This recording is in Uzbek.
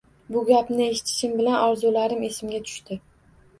Bu gapni eshitishim bilan orzularim esimga tushdi...